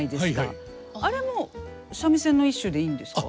あれも三味線の一種でいいんですか？